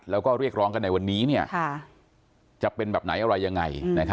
แล้วก็เรียกร้องกันในวันนี้จะเป็นแบบไหนอะไรยังไง